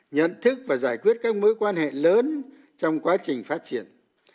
nhận thức và giải quyết các mối quan hệ lớn trong quá trình phát triển